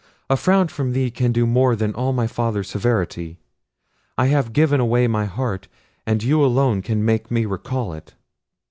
A frown from thee can do more than all my father's severity. I have given away my heart, and you alone can make me recall it."